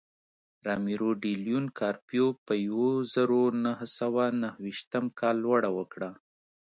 رامیرو ډي لیون کارپیو په یوه زرو نهه سوه نهه ویشتم کال لوړه وکړه.